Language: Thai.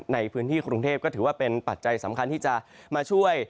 ในพื้นที่กรุงเทพก็ถือว่าเป็นปัจจัยสำคัญที่จะมาช่วย